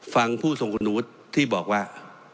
ฟังผู้ทรงคุณวุฒิที่บอกว่า